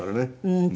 うん。